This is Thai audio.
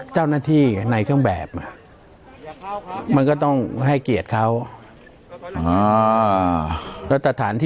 เจ้าหน้าที่ในเครื่องแบบมันก็ต้องให้เกียรติเขา